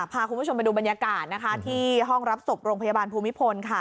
พาคุณผู้ชมไปดูบรรยากาศที่ห้องรับศพโรงพยาบาลภูมิพล